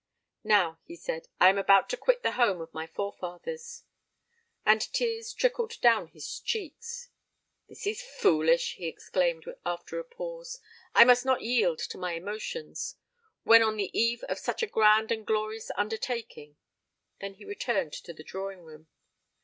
"Now," he said, "I am about to quit the home of my forefathers." And tears trickled down his cheeks. "This is foolish!" he exclaimed, after a pause: "I must not yield to my emotions, when on the eve of such a grand and glorious undertaking." He then returned to the drawing room.